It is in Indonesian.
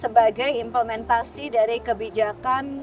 sebagai implementasi dari kebijakan